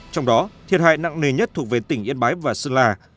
trong đó thiệt hại nặng nề nhất thuộc về tỉnh yên bái và sơn la